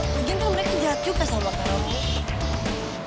mungkin kan mereka jahat juga sama kamu